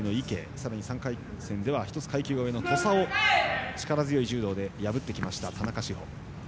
さらに３回戦では１つ階級の上の土佐を力強い柔道で破ってきました、田中志歩。